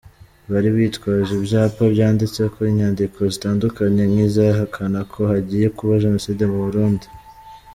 Bari bitwaje ivyapa vyanditseko inyandiko zitandukanye, nk’izihakana ko hagiye kuba genocide mu Burundi.